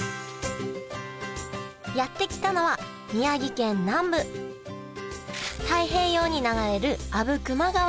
やって来たのは宮城県南部太平洋に流れる阿武隈川